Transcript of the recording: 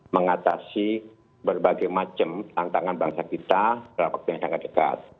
mengatasi berbagai macam tantangan bangsa kita dalam waktu yang sangat dekat